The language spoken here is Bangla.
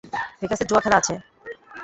ভেগাসে জুয়া খেলা আছে।